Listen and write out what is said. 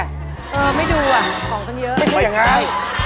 เออไม่ดูอะของก็เยอะ